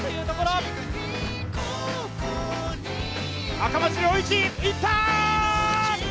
赤松諒一、いった！